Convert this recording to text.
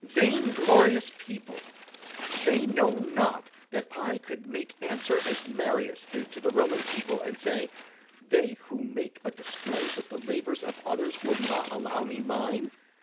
Vainglorious people! Know they not that I could make answer as Marius did to the Roman people, and say: They who make a display with the labours of others will not allow me mine?